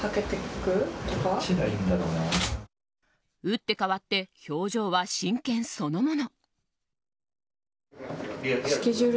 打って変わって表情は真剣そのもの。